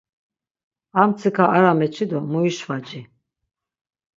Armtsika ara meçi do muişvaci.